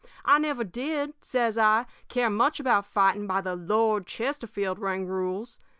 I never did,' says I, 'care much about fighting by the Lord Chesterfield ring rules.